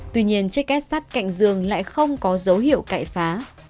tuy nhiên chiếc két sắt cạnh giường lại không có dấu hiệu cậy phá